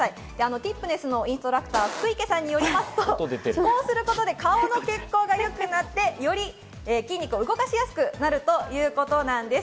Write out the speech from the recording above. ティップネスのインストラクター・福池さんによりますと、こうすることで顔の血行が良くなって、より筋肉を動かしやすくなるといいます。